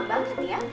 lama banget ya